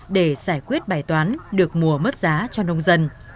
để giải quyết bài toán được mua mất giá cho nông dân